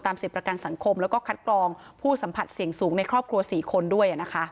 สิทธิ์ประกันสังคมแล้วก็คัดกรองผู้สัมผัสเสี่ยงสูงในครอบครัว๔คนด้วย